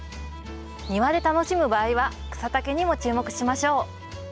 庭で楽しむ場合は草丈にも注目しましょう。